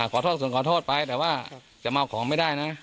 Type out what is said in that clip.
ขอโทษส่วนขอโทษไปแต่ว่าจะเมาของไม่ได้นะ